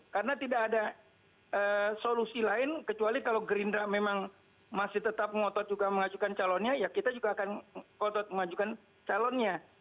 karena tidak ada solusi lain kecuali kalau gerindra memang masih tetap mengotot juga mengajukan calonnya ya kita juga akan mengotot mengajukan calonnya